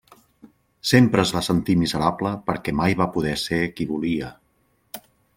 Sempre es va sentir miserable perquè mai va poder ser qui volia.